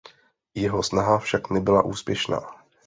Jeho snaha však nebyla úspěšná.